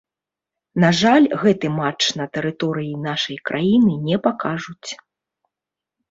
На жаль, гэты матч на тэрыторыі нашай краіны не пакажуць.